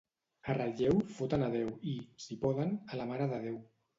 A Relleu foten a Déu i, si poden, a la Mare de Déu.